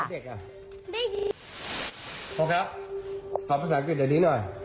โทษครับขอภาษาอังกฤษอันนี้หน่อย